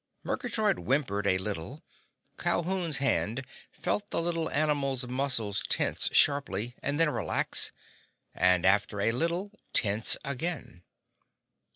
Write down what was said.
Murgatroyd whimpered a little. Calhoun's hand felt the little animal's muscles tense sharply, and then relax, and after a little tense again.